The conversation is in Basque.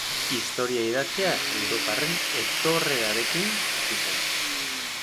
Historia idatzia europarren etorrerarekin hasi zen.